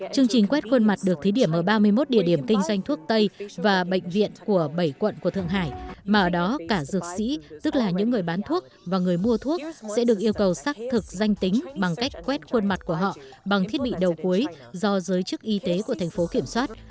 chương trình quét khuôn mặt được thí điểm ở ba mươi một địa điểm kinh doanh thuốc tây và bệnh viện của bảy quận của thượng hải mà ở đó cả dược sĩ tức là những người bán thuốc và người mua thuốc sẽ được yêu cầu xác thực danh tính bằng cách quét khuôn mặt của họ bằng thiết bị đầu cuối do giới chức y tế của thành phố kiểm soát